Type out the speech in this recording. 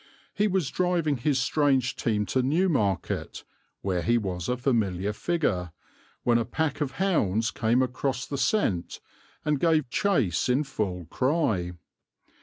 He was driving his strange team to Newmarket, where he was a familiar figure, when a pack of hounds came across the scent and gave chase in full cry.